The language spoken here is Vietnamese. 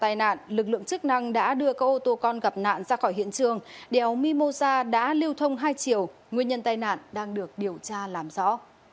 tai nạn lực lượng chức năng đã đưa các ô tô con gặp nạn ra khỏi hiện trường đèo mimosa đã lưu thông hai chiều nguyên nhân tai nạn đang được điều tra làm rõ